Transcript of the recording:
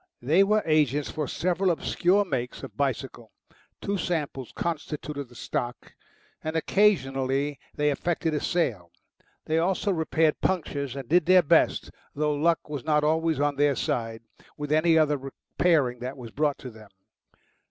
They were agents for several obscure makes of bicycle, two samples constituted the stock, and occasionally they effected a sale; they also repaired punctures and did their best though luck was not always on their side with any other repairing that was brought to them.